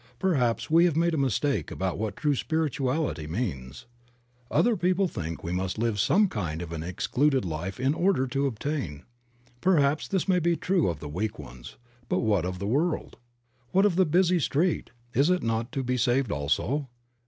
Perhaps we have made a mistake about what true spirituality means. Other people think we must live some kind of an excluded life in order to obtain. Perhaps this may be true of the weak ones. But what of the world? What of the busy street? Is it not to be saved also?